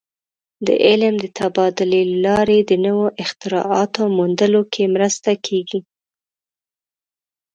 د علم د تبادلې له لارې د نوو اختراعاتو موندلو کې مرسته کېږي.